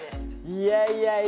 いやいやいや。